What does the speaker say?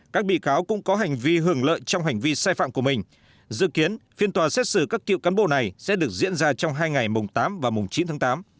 các bị cáo cũng có hành vi hưởng lợi trong hành vi sai phạm của mình dự kiến phiên tòa xét xử các cựu cán bộ này sẽ được diễn ra trong hai ngày mùng tám và mùng chín tháng tám